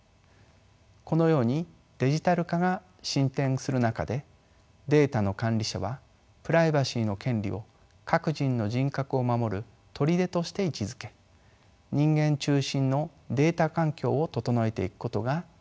このようにデジタル化が進展する中でデータの管理者はプライバシーの権利を各人の人格を守る砦として位置づけ人間中心のデータ環境を整えていくことが重要となります。